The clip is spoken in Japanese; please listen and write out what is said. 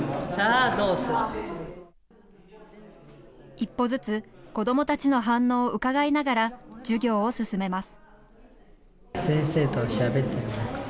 一歩ずつ、子どもたちの反応をうかがいながら授業を進めます。